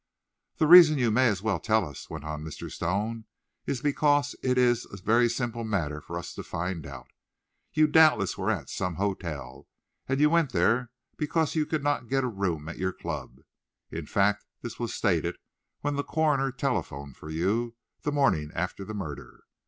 "The reason you may as well tell us," went on Mr. Stone, "is because it is a very simple matter for us to find out. You doubtless were at some hotel, and you went there because you could not get a room at your club. In fact, this was stated when the coroner telephoned for you, the morning after the murder.